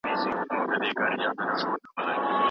شکر د ژوند د ټولو ستونزو لپاره یو درمل دی.